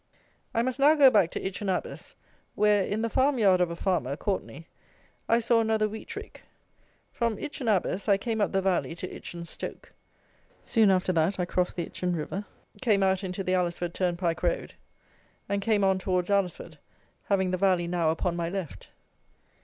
I must now go back to Itchen Abas, where, in the farm yard of a farmer, Courtenay, I saw another wheat rick. From Itchen Abas I came up the valley to Itchen Stoke. Soon after that I crossed the Itchen river, came out into the Alresford turnpike road, and came on towards Alresford, having the valley now upon my left.